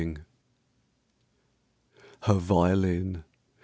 I Her violin!